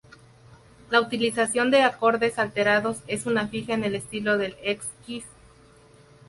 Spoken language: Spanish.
La utilización de acordes alterados es una fija en el estilo del ex Kiss.